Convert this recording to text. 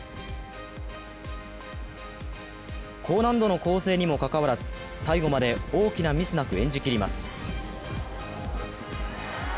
高難度の構成にもかかわらず、最後まで大きなミスなく演じきります。